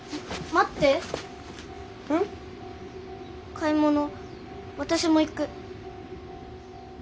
買い物私も行く。